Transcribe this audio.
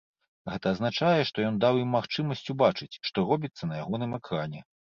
Гэта азначае, што ён даў ім магчымасць убачыць, што робіцца на ягоным экране.